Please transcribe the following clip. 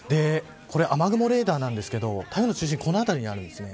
雨雲レーダーなんですけど台風の中心、この辺りにあるんです。